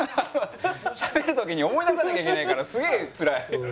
しゃべる時に思い出さなきゃいけないからすげえつらい。